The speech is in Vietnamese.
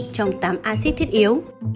trong tám acid thiết yếu